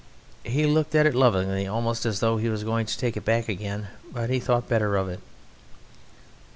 He looked at it lovingly, almost as though he was going to take it back again: but he thought better of it.